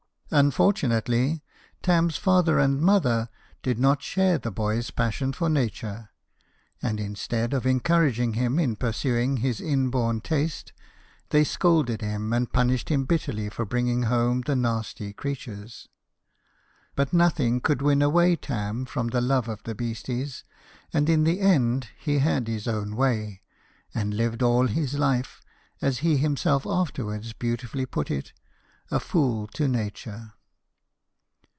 Unfortunately, Tarn's father and mother did not share the boy's passion for nature, and instead of encouraging him in pursuing his in born taste, they scolded him and punished him bitterly for bringing home the nasty creatures. But nothing could win away Tarn from the love of the beasties ; and in the end, he had his own way, and lived all his life, as he himself afterwards beautifully put it, " a fool to nature."